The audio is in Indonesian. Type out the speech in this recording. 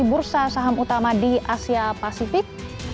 bursa saham utama di asia pasifik